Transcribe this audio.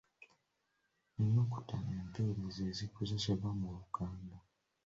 Ennukuta empeerezi ezikozesebwa mu Luganda.